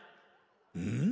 うん？